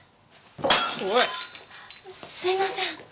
すいません。